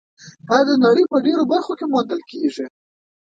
دا د نړۍ په ډېرو برخو کې موندل کېږي.